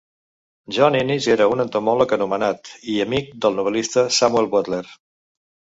John Enys era un entomòleg anomenat, i amic del novel·lista Samuel Butler.